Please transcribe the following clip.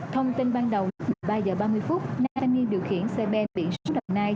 thông tin ban đầu một mươi ba h ba mươi phút nàng thanh niên điều khiển xe bê biển xuống đồng nai